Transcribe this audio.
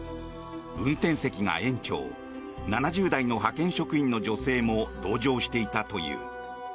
運転席が園長７０代の派遣職員の女性も同乗していたという。